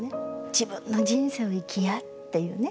「自分の人生を生きや」っていうね